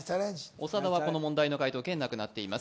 長田はこの問題の解答権なくなっています。